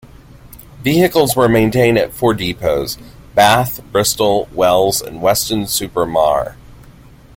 Vehicles were maintained at four depots: Bath, Bristol, Wells and Weston-super-Mare.